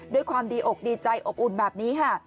ด้วยความดีอกดีใจอบอุ่นแบบนี้ค่ะ